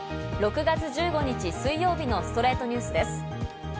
６月１５日、水曜日の『ストレイトニュース』です。